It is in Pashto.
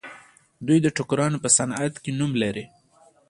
دوی د ټوکرانو په صنعت کې نوم لري.